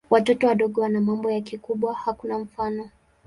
Watoto wadogo wana mambo ya kikubwa hakuna mfano.